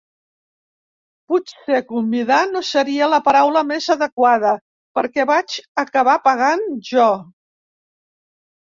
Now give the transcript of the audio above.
Potser convidar no seria la paraula més adequada, perquè vaig acabar pagant jo.